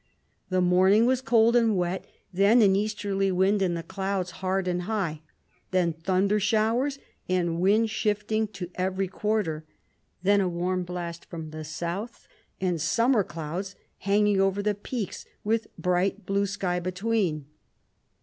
The morning was cold and wet ; then an easterly wind, and the clouds hard and high ; then thunder showers, and wind shifting to every quarter ; then a warm blast from the south, and summer clouds hanging over the peaks, with bright blue sky between.